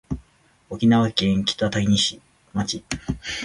沖縄県北谷町